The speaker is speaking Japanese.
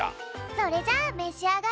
それじゃあめしあがれ！